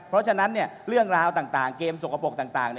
เพราะฉะนั้นเนี่ยเกมสกปรกต่าง